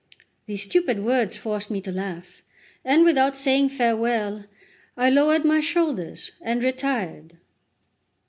These stupid words forced me to laugh, and without saying farewell, I lowered my shoulders and retired.